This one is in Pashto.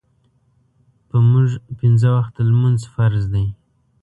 پۀ مونږ پينځۀ وخته مونځ فرض دے